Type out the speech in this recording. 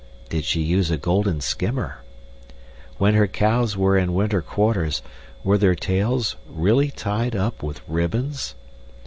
Did she use a golden skimmer? When her cows were in winter quarters, were their tails really tied up with ribbons?